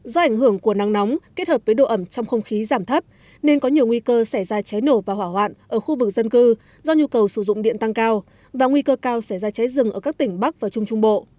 do ảnh hưởng của nắng nóng kết hợp với độ ẩm trong không khí giảm thấp nên có nhiều nguy cơ xảy ra cháy nổ và hỏa hoạn ở khu vực dân cư do nhu cầu sử dụng điện tăng cao và nguy cơ cao sẽ ra cháy rừng ở các tỉnh bắc và trung trung bộ